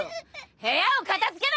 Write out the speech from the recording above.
部屋を片付けな！